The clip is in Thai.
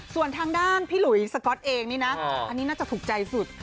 ส่วนทางด้านพี่หลุยสก๊อตเองนี่นะอันนี้น่าจะถูกใจสุด